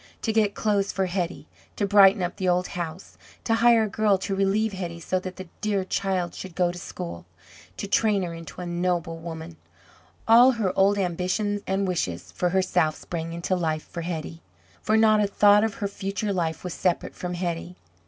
To get clothes for Hetty, to brighten up the old house, to hire a girl to relieve Hetty, so that the dear child should go to school, to train her into a noble woman all her old ambitions and wishes for herself sprang into life for Hetty. For not a thought of her future life was separate from Hetty.